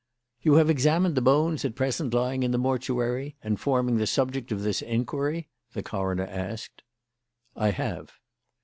"You have examined the bones at present lying in the mortuary and forming the subject of this inquiry?" the coroner asked. "I have."